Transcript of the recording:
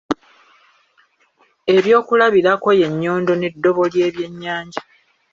Ebyokulabirako ye nnyondo n' eddobo ly'ebyenyanja